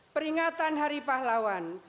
peringatan hari pahlawan